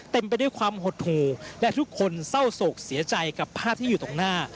ไปด้วยความหดหูและทุกคนเศร้าโศกเสียใจกับภาพที่อยู่ตรงหน้า